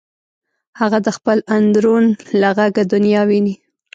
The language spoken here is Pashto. هغه د خپل اندرون له غږه دنیا ویني